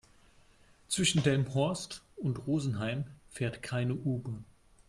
Zwischen Delmenhorst und Rosenheim fährt keine U-Bahn